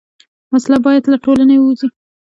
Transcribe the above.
وسله باید له ټولنې ووځي